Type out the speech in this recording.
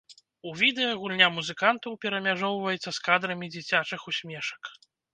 У відэа гульня музыкантаў перамяжоўваецца з кадрамі дзіцячых усмешак.